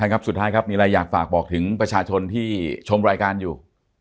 ครับสุดท้ายครับมีอะไรอยากฝากบอกถึงประชาชนที่ชมรายการอยู่